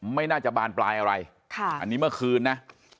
ไม่น่าจะบานปลายอะไรอันนี้เมื่อคืนนะ